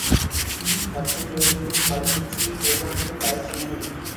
பத்துப்பேருக்குப் பல்குச்சி, ஒருவனுக்குத் தலைச்சுமை.